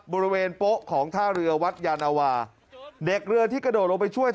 บริเวณโป๊ะของท่าเรือวัดยานวาเด็กเรือที่กระโดดลงไปช่วย